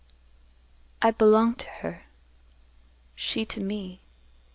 I belonged to her—she to me.